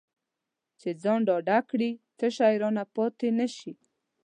چې ځان ډاډه کړي څه شی رانه پاتې نه شي.